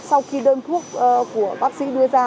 sau khi đơn thuốc của bác sĩ đưa ra